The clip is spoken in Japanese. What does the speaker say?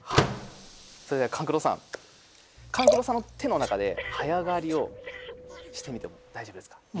それでは勘九郎さん勘九郎さんの手の中で早替りをしてみても大丈夫ですか？